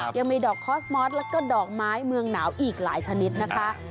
ยังมีดอกคอสมอสแล้วก็ดอกไม้เมืองหนาวอีกหลายชนิดนะคะ